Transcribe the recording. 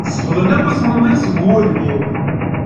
Sefḍen akk azmumeg seg wudem-iw.